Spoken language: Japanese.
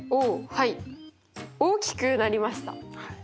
はい大きくなりました。